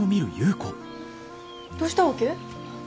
どうしたわけ？